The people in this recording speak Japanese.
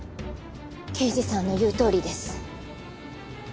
刑事さんの言うとおりです。